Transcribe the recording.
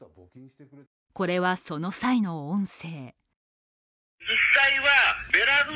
これはその際の音声。